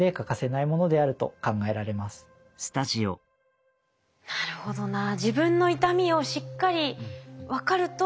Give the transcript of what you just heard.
なるほどな。